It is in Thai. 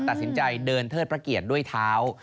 ตัดสินใจเดินเทิดพระเกียรติด้วยเท้า